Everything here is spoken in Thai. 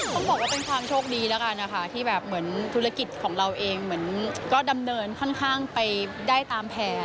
ต้องบอกว่าเป็นความโชคดีแล้วกันนะคะที่แบบเหมือนธุรกิจของเราเองเหมือนก็ดำเนินค่อนข้างไปได้ตามแผน